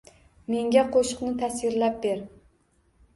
Menga qo‘shiqni tasvirlab ber